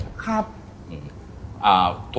ครับ